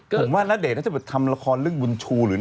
เขาดูแบบซื่อ